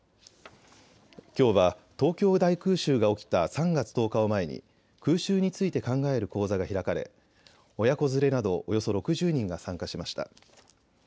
きょうは、東京大空襲が起きた３月１０日を前に空襲について考える講座が開かれ親子連れなどおよそ６０人が参加しました。